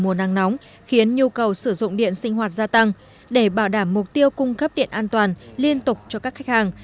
mùa nắng nóng khiến nhu cầu sử dụng điện sinh hoạt gia tăng để bảo đảm mục tiêu cung cấp điện an toàn liên tục cho các khách hàng